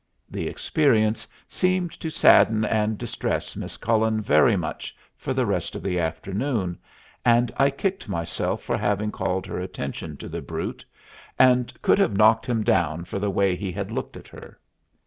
The experience seemed to sadden and distress Miss Cullen very much for the rest of the afternoon, and I kicked myself for having called her attention to the brute, and could have knocked him down for the way he had looked at her.